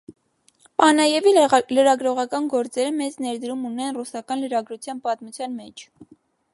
Պանաևի լրագրողական գործերը մեծ ներդրում ունեն ռուսական լրագրության պատմության մեջ։